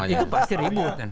itu pasti ribut